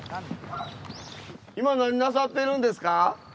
今何なさってるんですか？